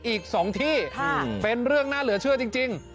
อีก๒ที่เป็นเรื่องน่าเหลือเชื่อจริง